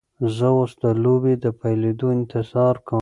زه اوس د لوبې د پیلیدو انتظار کوم.